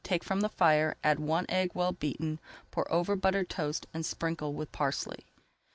Take from the fire, add one egg, well beaten, pour over buttered toast, and sprinkle with parsley.